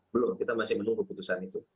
belum kita masih menunggu putusan itu